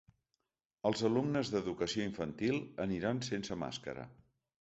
Els alumnes d’educació infantil aniran sense màscara.